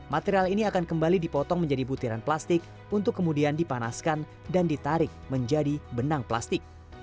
material ini akan kembali dipotong menjadi butiran plastik untuk kemudian dipanaskan dan ditarik menjadi benang plastik